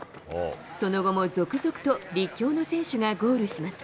その後も続々と立教の選手がゴールします。